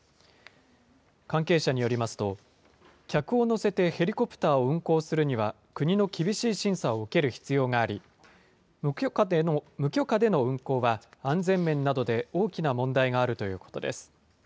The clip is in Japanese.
関係者によりますと、客を乗せてヘリコプターを運航するには、国の厳しい審査を受ける必要があり、無許可での運航は、安全面などで大きな問題があるということです。